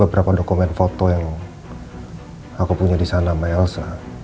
dari beberapa dokumen foto yang aku punya di sana sama yelso